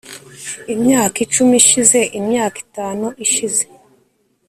imyaka icumi ishize, imyaka itanu ishize